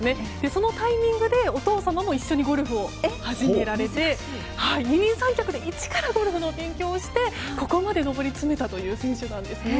そのタイミングでお父様も一緒にゴルフを始められて二人三脚で一からゴルフの勉強をしてここまで上り詰めたという選手なんですね。